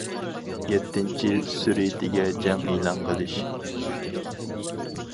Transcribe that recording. يەتتىنچى، سۈرئىتىگە جەڭ ئېلان قىلىش.